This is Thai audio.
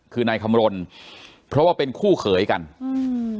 คือนายคำรณเพราะว่าเป็นคู่เขยกันอืม